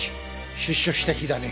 出所した日だね。